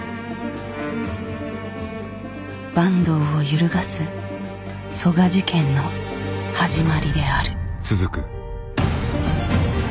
坂東を揺るがす曽我事件の始まりである。